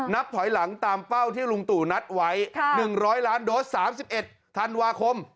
นับถอยหลังตามเป้าที่ลุงตู่นัดไว้๑๐๐ล้านโดส๓๑ธันวาคม